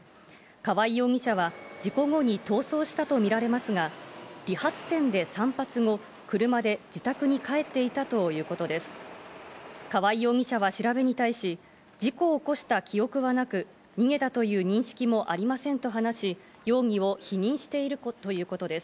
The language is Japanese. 川合容疑者は事故後に逃走したとみられますが、理髪店で散発後、車で自宅に帰っていたということです。